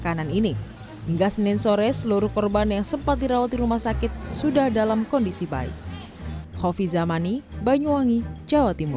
pada saat ini hingga senin sore seluruh korban yang sempat dirawat di rumah sakit sudah dalam kondisi baik